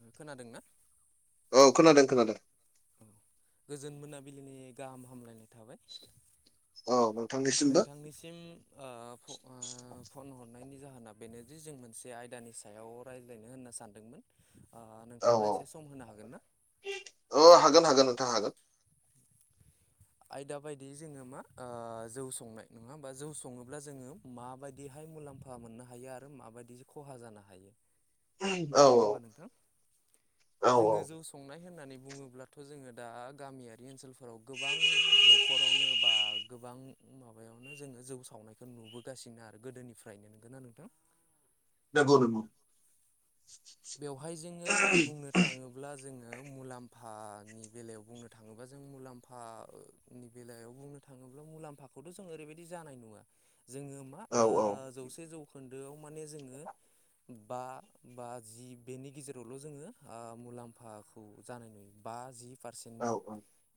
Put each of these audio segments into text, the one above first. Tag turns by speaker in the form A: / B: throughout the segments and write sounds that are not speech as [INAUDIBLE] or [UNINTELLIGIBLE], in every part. A: औ खोनादोंना? औ गोजोन मोनाबिलिनि गाहाम हामलायनाय थाबाय।
B: औ
A: नोंथांनिसि सिम ओ फ' ओ फन हरनायनि जाहोना बेनोदि जों मोनसे आयदानि सायाव रायज्लायनो होनना सानदोंमोन ओ नोंथाङा एसे सम होनो हागोन ना?
B: औ हागोन हागोन नोंथां हागोन।
A: आयदा बायदियै जोङो मा ओ जौ संनाय नङा होमबा जौ सङोब्ला जोङो माबायदिहाय मुलाम्फा मोननो हायो आरो माबायदि खहा जानो हायो? नङा होमबा नोंथां? जोङो जौ संनाय होननानै बुङोब्लाथ' जोङो दा गामियारि ओनसोल फोराव गोबां न'खरावनो बा गोबां ओम माबायावनो जोङो जौ सावनायखौ नुबोगासिनो आरो गोदोनिफ्रायनो नंगोना नोंथां?
B: नंगौ नंगौ।
A: बेवहाय जोङो बुंनो थाङो ब्ला जोङो मुलाम्फानि बेलायाव बुंनो थाङोब्ला जों मुलाम्फा ओ नि बेलायाव बुंनो थाङोब्ला मुलाम्फाखौथ' जों ओरैबायदि जानाय नुवा जोङो ओ जौसे जौखोन्दो माने जोङो बा-बा जि बेनि गेजेरावल' जोङो ओ मुलाम्फाखौ जानाय नुयो बा जि। पारसेन्टनि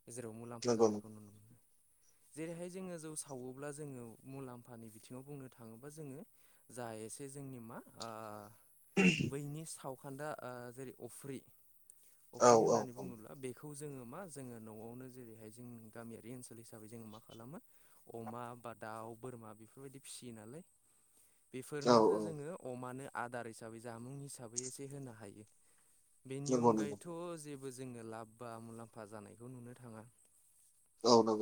A: गेजेराव मुलाम्फा जानायखौ नुनो मोनो। जेरैहाय जोङो जौ सावोब्ला जोङो मुलाम्फानि बिथिङाव बुंनो थाङोब्ला जोङो जा एसे जोंनि मा ओ
B: उम।
A: बेनि सावखोन्दा ओ जेरै अफ्रि अफ्रि होननानै बुङोब्ला बे खौ जोङो मा जोङो न'आवनो जेरैहाय जों गामियारि ओनसोल हिसाबै जोङो मा खालामो अमा बा दाउ बोरमा बेफोरबायदि फिसियो नालाय। बेफोरनोसो जोङो अमानो आदार हिसाबै जामुं हिसाबै एसे होनो हायो। बेनि अनगायैथ' जेबो जोङो लाब बा मुलाम्फा जानायखौ नुनो थाङा।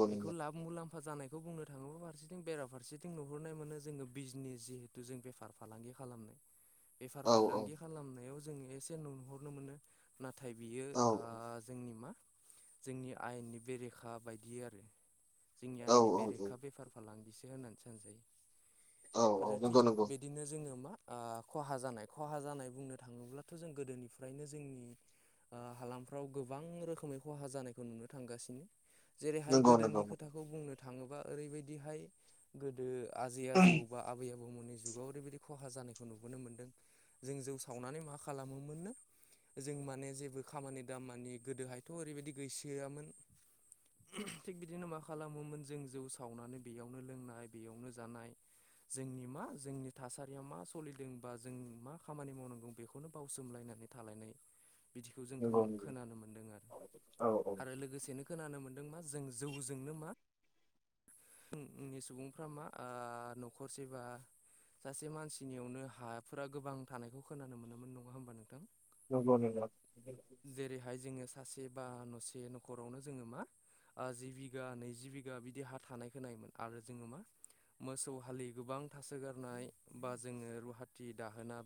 A: बेखौ लाब मुलाम्फा जानाय खौ बुंनो थाङोब्ला फारसेथिं बेराफारसेथिं नुहरनाय मोनो जोङो बिजनेस जिहेथु जों बेफार फालांगि खालामनाय। बेफार फालांगि खालामनायाव जोङो एसे नुहरनो मोनो नाथाय बियो ओ जोंनि मा? जोंनि आयेननि बेरेखा बायदि आरो जोंनि आयेननि बेरेखा बेफार फालांगिसो होननानै सानसैय आरो थिग बिदिनो जोङो मा ओ खहा जानाय खहा जानाय बुंनो थाङोब्लाथ' जों गोदोनिफ्रायनो जोंनि ओ हालामफ्राव गोबां रोखोमै खहा जानायखौ नुनो थांगासिनो। जेरैहाय गोदोनि खोथाखौ बुंनो थाङोबा ओरैबायदिहाय गोदो आजै आजौ बा आबै आबौमोननि जुगाव ओरैबायदि खहा जानायखौ नु बोनो मोनदों जों सावनानै मा खालामोमोननो? जों माने जेबो खामानि दामानि गोदोहायथ' ओरैबायदि गैसोआमोन। थिग बिदिनो मा खालामोमोन जों जौ सावनानै बेयावनो लोंनाय बेयावनो जानाय जोंनि मा जोंनि थासारिया मा सलि दोंबा जों मा खामानि मावनांगौ बेखौनो बावसोमलायनानै थालायनाय। बिदिखौ जों खोम-खोनानो मोन्दों आरो-आरो लोगोसेनो। खोनानो मोन्दों मा जों जौजोंनो मा। थोंनि सुबुंफ्रा मा आ न'खरसेबा। सासे मानसिनियावनो हाफ्रा गोबां थानायखौ खोनानो मोनदोंमोन नङा होमबा नोंथां।
B: [UNINTELLIGIBLE]
A: जेरैहाय जोंङो सासे बा न'से न'खरावनो जोङो मा। जि बिगा नैजि बिगा बिदि हा थानायखो नायोमोन आरो जोङो मा। मोसौ हालि गोबां थासोगारनाय बा जोङो रुहा थि दाहोना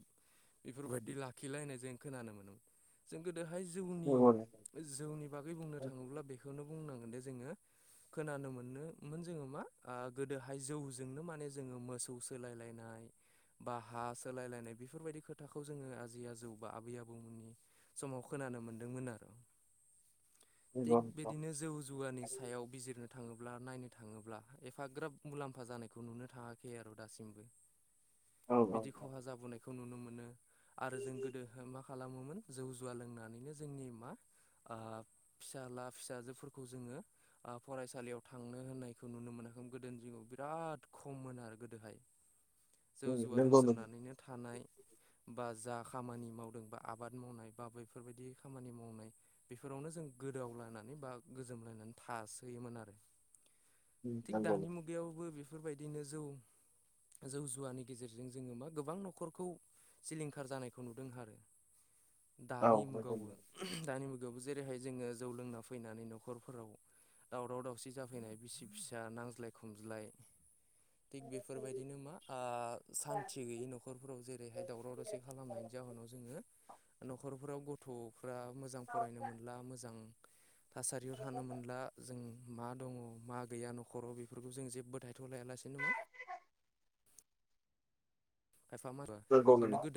A: बेफोरबायदि लाखिलायनाय जों खोनानो मोनोमोन। जों गोदोहाय जौनि-जौनि बागै बुंनो थाङोब्ला बेखौनो बुंनांगोन दे जोङो। खोनानो मोनोमोन जोङो मा गोदोहाय जौजोंनो माने जोङो मोसौ सोलायलायनाय। बा हा सोलायलायनाय बेफोरबायदि खोथाखौ जोङो आजै आजौ बा आबै आबौमोननि। समआव खोनानो मोनदोंमोन आरो। थिग बिदिनो जौ जुवानि सायाव बिजिरनो। थाङोब्ला नायनो थाङोब्ला एफाग्राब मुलाम्फा जानायखो नुनो थांआखैय आरो दासिमबो। बिदि खहा जाबोनायखौ नुनो मोनो आरो जों गोदो मा खालामोमोन। जौ जुवा लोंनानैनो जोंनि मा फिसाला फिसाजोफोरखौ जोङो। फरायसालियाव थांनो होननायखौ नुनो मोनाखै गोदोनि दिाव बिराद खममोन आरो गोदोहाय। [UNINTELLIGIBLE]
B: [UNINTELLIGIBLE]
A: बोलों सोमनानैनो थानाय। बा जा खामानि मावदों बा आबाद मावनाय बा बैफोरबायदि खामानि मावनाय। बेफोरावनो जों गोदावलायनानै बा गोजोमलायनानै थासोयोमोन आरो। थिग दानि मुगायावबो बेफोरबायदिनो जौ जौ जुवानि गेजेरजों जोङो मा गोबां न'खरखौ सिलिंखार जानायखौ नुदों आरो दानि मुगायावबो दानि मुगायावबो जेरैहाय जोङो जौ लोंना फैनानै न'खरफोराव। दावराव दावसि जाफैनाय बिसि फिसा नांज्लाय खमज्लाय। थिग बेफोरबायदिनो मा आ सान्थि। थि गैैयै न'खराव जेरैहाय दावराव दावसि खालामनायनि जाहोनाव जोङो न'खरफोराव गथ'। थ'फ्रा मोजां फरायनो मोनला मोजां थासारियाव थानो मोनला जों। मा दङ मा गैया न'खराव बेफोरखौ जों जेबो दायथ' लायालासेनो मा खायफा मारा जोंनो [INAUDIBLE]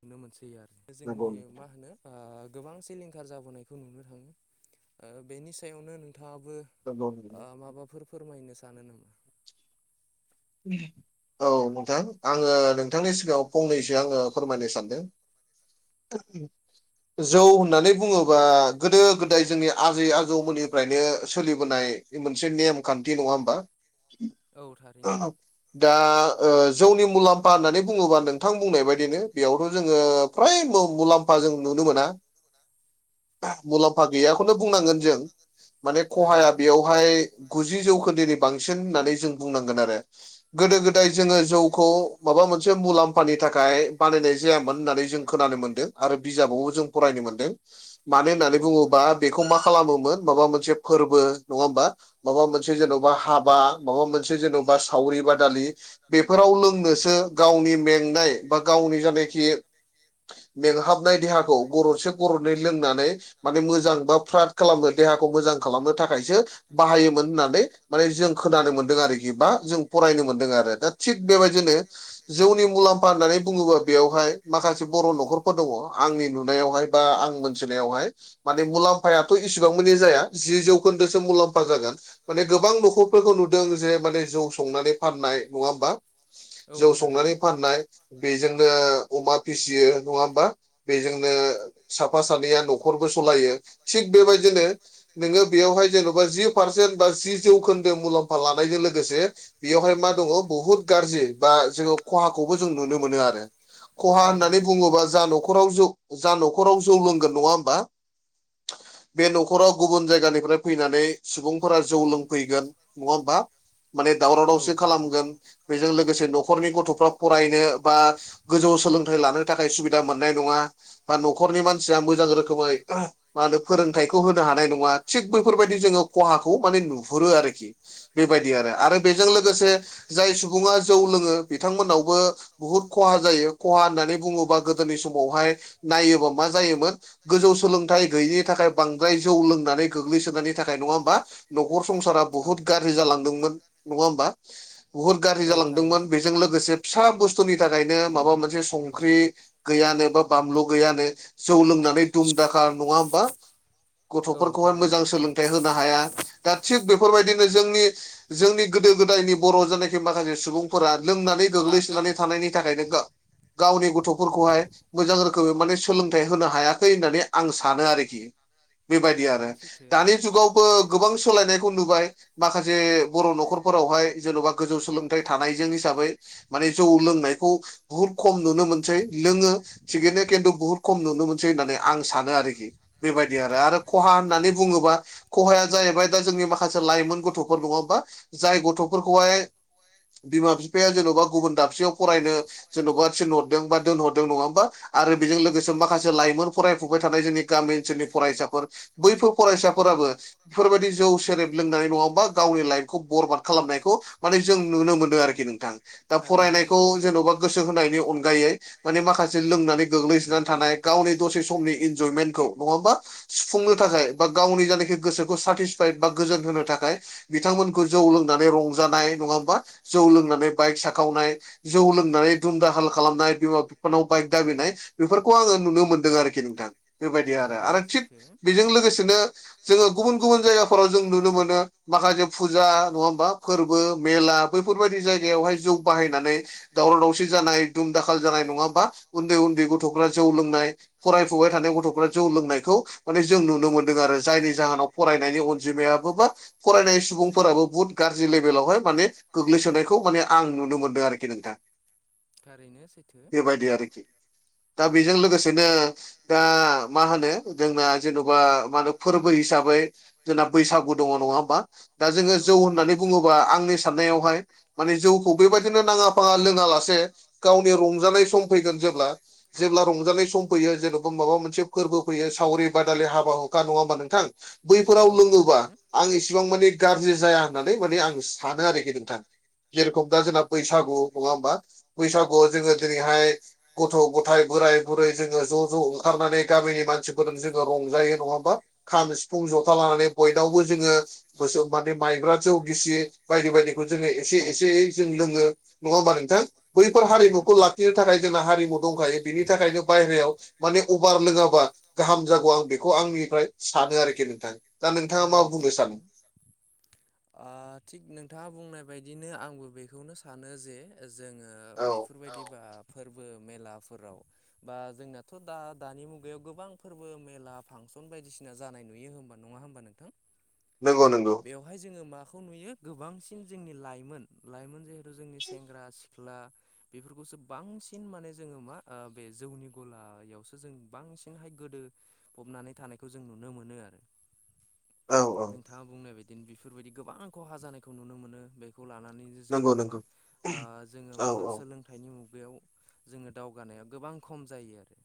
A: नुनोनो मोनसैयो आरो। जोंनि माहोनो। ओ गोबां सिलिंखार जाबोनायखौ नुनो थाङो बेनि सायावनो नोंथाङाबो। ओ माबाफोर फोरमायनो सानो नामा।
B: [INAUDIBLE] औ नोंथां आङो नोंथांनि सिगाङाव फंनैसो आङो फोरमायनो सानदों। जौ होननानै बुङोबा गोदो गोदाय जोंनि आजै आजौमोननि। फ्रायनो सोलिबोनाय मोनसे नेम खान्थि नङा होमबा।
A: औ थारै।
B: [UNINTELLIGIBLE] दा ओ जौनि मुलाम्फा होननानै बुङोबा नोंथां बुंनाय बायदिनो बेयावथ' जोङो। फ्राय न मुलाम्फा जों नुनो मोना। मुलाम्फा गैयाखौनो बुंनांगोन माने खहाया बेयावहाय। गुजि जौखोन्दोनि बांसिन होननानै जों बुंनांगोन आरो गोदो गोद दाय जोङो जौखौ माबा मोनसे मुलाम्फानि थाखाय बानायनाय जायामोन होननानै जों खोनानो मोन्दों आरो बिजाबावबो जों फरायनो मोनदों। मानो होननानै बुङोबा बेखौ मा खालामोमोन माबा मोनसे फोरबो नङा होमबा। माबा मोनसे जेन'बा हाबा, माबा मोनसे जेन'बा सावरि बादालि बेफोराव लोंनोसो गावनि मेंनाय बा गावनि जायानखि मेंहाबनाय देहाखौ गररसे गरनै लोंनानै माने मोजां बा फ्रात खालामनो देहाखौ मोजां खालामनो थाखायसो बाहायोमोन होननानै माने जों खोनानो मोनदों आरोखि बा जों फरायनो मोनदों आरो दा थिख बेबायदिनो जौनि मुलाम फा होननानै बुङोबा बेयावहाय माखासे बर' न'खरफोर दङ आंनि नुनायावहाय बा आं मोनथिनायावहाय माने मुलाम्फायाथ' इसिबां मानि जाया जि जौखोन्दोसो मुलाम्फा जागोन माने गोबां न'खरफोरखौ नुदों जे माने जौ संनानै फाननाय नङा होमबा। जौ संनानै फाननाय बेजोंनो अमा फिसियो नङा होमबा। बेजोंनो साफा सानैया न'खरबो सालायो थिग बेबायदिनो नोङो बेवहाय जेन'बा जि पारसेन्ट बा जि जौखोन्दो मुलाम्फा लानायजों लोगोसे बेयावहाय मा दङ बुहुत गाज्रि बा जोंङो खहाखौबो जों नुनो मोनो आरो। खहा होननानै बुङोबा जा न'खराव जौ जा न'खराव जौ लोंगोन नङा होमबा। बे न'खराव गुबुन जायगानिफ्राय फैनानै सुबुंफोरा जौ लोंफैगोन नङा होमबा। माने दावराव दावसि खालामगोन बेजों लोगोसे न'खरनि गथ'फ्रा फरायनो बा गोजौ सोलोंथाइ लानो थाखाय सुबिदा मोननाय नङा बा न'खरनि मानसिया मोजां रोखोमै मा होनो फोरोंथायाइखौ होनो हानाय नङा थिग बेैफोरबायदि जोङो खहाखौ माने नुहुरो आरोखि। बेबायदि आरो आरो बेजों लोगोसे जाय सुबुङा जौ लोङो बिथांमोनावबो बुहुद खहा जायो खहा होननानै बुङोबा गोदोनि समावहाय नायोबा मा जायोमोन गोजौ सोलोंथाइ गैयिनि थाखाय बांद्राय जौ लोंनानै गोग्लैसोनायनि थाखाय नङा होमबा। नखर संसारा बहुत गार ज्रि जालांदोंमोन नङा होनबा। बुहुत गाज्रि जालांदोंमोन बेजों लोगोसे फिसा बुस्थुनि थाखायनो माबा मोनसे संख्रि गैयानो बा बानलु गैयानो जौ लोंनानै दुमदाखाल नङा होमबा। गथ'फोरखौहाय मोजां सोलोंथाइ होनो हाया दा थिग बेफोरबायदिनो जोंनि जोंनि गोदो - गोदायनि बर' जनाखि माखासे सुबुंफोरा लोंनानै गोग्लैसोनानै थानायनि थाखायनो गावनि गथ'फोरखौहाय मोजां रोखोमै माने सोलोंथाइ होनो हायाखै होननानै आं सानो आरोखि। बेबायदि आरो दानि जुगावबो गोबां सोलायनायखौ नुबाय माखासे बर' नखरफोरावहाय जेन'बा गोजौ सोलोंथाइ थानायजों हिसाबै माने जौ लोंनायखौ बुहुद खम नुनो मोनसै लोङो थिगैनो खिन्थु बुहुत खम नुनो मोनसै होननानै आं सानो आरोखि। बेबायदि आरो आरो खहा होननानै बुङोबा खहाया जाहैबाय दा जोंनि माखासे लाइमोन गथ' गथ'फोर नङा होमबा जाय गथ'फोरखौहाय - बिमा बिफाया जेन'बा गुबुन दाबसेयाव फरायनो ज'बा थिनहरदों बा दोनहरदों नङा होमबा आरो बेजों लोगोसे माखासे लाइमोन फरायफुबाय थानाय जोंनि गामि ओनसोलनि फरायसाफोर बैफोर फरायसाफोराबो बेफोरबायदि जौ सेरेब लोंनानै नङा बा गावनि लाइफखौ बरबाद खालामनायखौ माने जों नुनो मोनदों आरोखि नोंथां। दा फरायनायखौ जेन'बा गोसो होनायनि अनगायै माने माखासे लोंनानै गोग्लैसोनानै थानाय गावनि दसे समनि इन्जयमेन्टखौ नङा होनबा। सुफुंनो थाखाय बा गावनि जायनाखि गोसोखौ साटिसफाइद बा गोजोन होनो थाखाय बिथांमोनखौ जौ लोंनानै रंजानाय नङा होमबा जौ लोंनानै बाइक साखावनाय जौ लोंनानै दुम दाखाल खालामनाय बिमा बिफानाव बाइक दाबिनाय बेफोरखौ आङो नुनो मोनदों आरोखि नोंथां बेबायदि आरो आरो थिग बेजों लोगोसेनो जोङो गुबुन गुबुन जायगाफोराव जों नुनो मोनो। माखासे फुजा नङा होमबा फोरबो मेला बैफोरबायदि जायगायावहाय जौ बाहायनानै दावराव दावसि जानाय दुम दाखाल जानाय नङा होमबा उन्दै उन्दै गथ'फ्रा जौ लोंनाय फरायफुबाय थानाय गथ'फोरा जौ लोंनायखौ माने जों नुनो मोनदों आरो जायनि जाहोनाव फरायनायनि अनजिमायाबाबो फरायनाय सुबुंफोराबो बुहुत गाज्रि लेभेलावहाय माने गोग्लैसोनायखौ माने आं नुनो मोनदों आरोखि नोंथा बेबायदि आरोखि दा बेजों लोगोसेनो दा मा होनो जोंना जेन'बा मा होनो फोरबो हिसाबै जोंना बैसागु दङ नङा होमबा दा जोङो जौ होननानै बुङोबा आंनि साननायावहाय माने जौखौ बेबायदिनो नाङा फाङा लोंआ लासे गावनि रंजानाय सम फैगोन जेब्ला जेब्ला रंजानाय सम फैयो जेन'बा माबा मोनसे फोरबो फैयो सावरि बादालि हाबा हुखा नङा होमबा नोंथां बैफोराव लोङोबा आं इसेबां माने गाज्रि जाया होननानै माने आं सानो आरोखि नोंथां जेरखम दा जोंना बैसागु नङा होमबा बैसागुआव जोङो दिनैहाय गथ' गथाय बोराय बुरै जोङो ज' ज' ओंखारनानै गामिनि मानसिफोरजों जोङो रंजायो नङा होमबा खाम सिफुं जथा लानानै बयनावबो जोङो मोसौ माने माइब्रा जौ गिसि बायदि बायदिखौ जोङो एसे एसेयै जों लोङो नङा होमबा नोंथां बैफोर हारिमुखौ लाखिनो थाखाय जोंना हारिमु दंखायो बिनि थाखायनो बायहेरायाव माने अभार लोङाबा गाहाम जागौ आं बेखौ आंनिफ्राय सानो आरोखि नोंथां दा नोंथाङा मा बुंनो सानो?
A: ओ थिग नोंथाङा बुंनाय बायदिनो आंबो बेखौनो सानो जे जोङो बेफोरबायदि बा फोरबो मेलाफोराव बा जोंनाथ' दा दानि मुगायाव गोबां फोरबो मेला फांसन बायदिसिना जानाय नुयो होनबा नङा होमबा नों नोंथां
B: नंगौ नंगौ
A: बेवहाय जोङो माखौ नुयो गोबांसिन जोंनि लाइमोन लाइमोन जिहेथु जोंनि सेंग्रा सिख्ला बेफोरखौसो बांसिन माने जोङो मा ओ बे जौनि गलायावसो जों बांसिनहाय गोदो फबनानै थानायखौ जों नुनो मोनो आरो।
B: औ औ
A: नोंथाङा बुंनाय बायदिनो बेफोरबायदि गोबां खहा जानायखौ नुनो मोनो बेखौ लानानै जोङो मा ओ जोङो ओ सोलों थाइनि मुगायाव जोङो दावगानाया गोबां खम जायो आरो।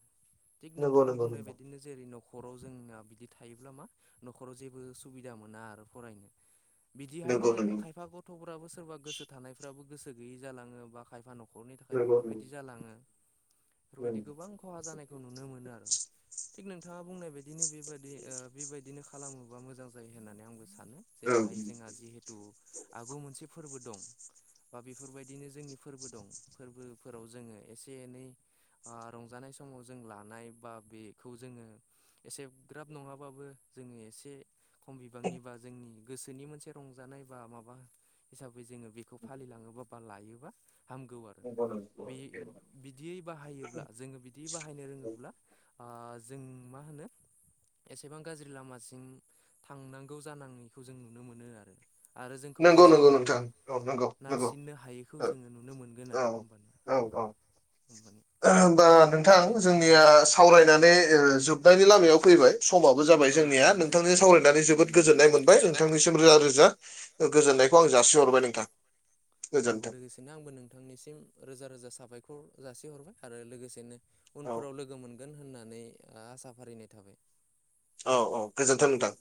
A: थिग नोंथाङा बुंनाय बायदिनो जेरै- न'खराव जोंना बिदि थायोब्ला मा न'खराव जेबो सुबि दा मोना आरो फरायनो। बिदिहायनो खायफा ग' थ'फ्राबो सोरबा गोसो थानायफ्राबो गोसो गैयै जालाङो बा खायफा न' खरनि थाखाय बेफोरबायदि जालाङो। बेफोरबायदि गोबां खहा जानायखौ नुनो मोनो आरो। थिग नोंथाङा बुंनाय बायदिनो बेबायदि ओ बेबायदिनो खालामोबा मोजां जायो होननानै आंबो सानो। जेरैहाय जोंहा जिहेथु आगु मोनसे फोरबो दं। बा बेफोरबायदिनो जोंनि फोरबो दं। फोरबोफोराव जोङो एसे एनै ओ रंजानाय समाव जों लानाय बा बेखौ जोङो एसे ग्राब नङाबाबो जोङो एसे खम बिबांनिबा जोंनि गोसोनि मोनसे रंजानाय बा माबा हिसाबै जोङो बेखौ फालिलाङोबा बा लायोबा हामगौ आरो बे बिदियै बाहायोब्ला जोङो दि बाहायनो रोङोब्ला आ जों मा होनो एसेबां गाज्रि लामासिम थांनांगौ जानाङैखौ जों नुनो मोनो आरो। आरो जोंखौ बे जौआ मा, नारसिननो हायैखौ जोङो नुनो मोनगोन आरो होमबानो।
B: औ औ।
A: होमबानि
B: [UNINTELLIGIBLE] होमबा नोंथां जोंनिया सावरायनानै ओ जोबनायनि लामायाव फैबाय। समाबो जाबाय जोंनिया नोंथांजों सावरायनानै जोबोद गोजोननाय मोनबाय नोंथांनिसिम रोजा रोजा गोजोन्नायखौ आं जासि हरबाय नोंथां।
A: औ लोगोसेनो आंबो नोंथांनिसिम रोजा रोजा साबायखर जासिहरबाय आरो लोगोसेनो उनफोराव लोगो मोनगोन होननानै आसा फारिनाय थाबाय।
B: औ औ गोजोन्थों नोंथां।